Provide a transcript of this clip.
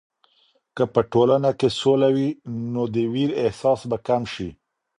که په ټولنه کې سوله وي، نو د ویر احساس به کم شي.